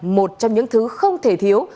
một trong những thứ không thể thiếu